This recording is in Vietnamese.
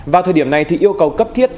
vào thời điểm này yêu cầu cấp thiết